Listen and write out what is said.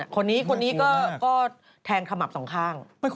คนนี้ก็แทงข้ามับสองข้างน่ากลัวมาก